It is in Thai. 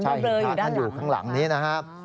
ใช่อยู่ข้างหลังนี้นะครับ